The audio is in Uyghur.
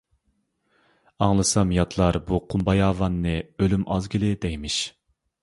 ئاڭلىسام ياتلار بۇ قۇم باياۋاننى ئۆلۈم ئازگىلى دەيمىش.